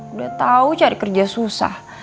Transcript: udah tahu cari kerja susah